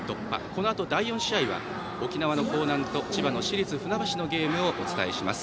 このあと第４試合は沖縄の興南と千葉の市立船橋のゲームをお伝えします。